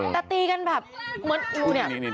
แต่ตีกันแบบเหมือนดูเนี่ย